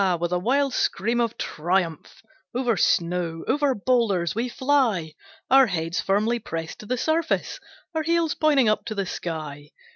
with a wild scream of triumph, Over snow, over boulders we fly, Our heads firmly pressed to the surface, Our heels pointing up to the sky!